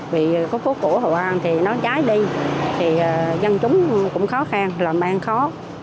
vì có phố cổ hồ an thì nó cháy đi thì dân chúng cũng khó khăn làm ban khó